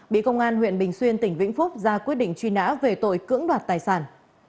bị công an huyện bình xuyên tỉnh vĩnh phúc ra quyết định truy nã về tội cưỡng đoạt tài sản